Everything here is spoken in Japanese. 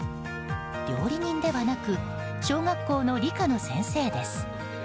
料理人ではなく小学校の理科の先生です。